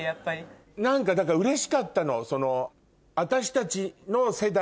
何かだからうれしかったの。